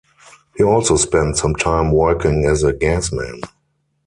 He also spent some time working as a gasman.